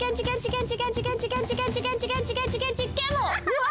うわ！